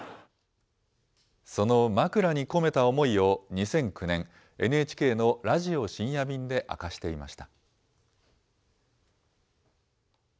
そのまくらに込めた思いを、２００９年、ＮＨＫのラジオ深夜便で明かしていました。